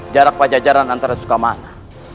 jarak pajajaran antara sukamana